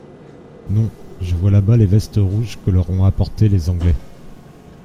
Non, je vois là-bas les vestes rouges que leur ont apportées les Anglais.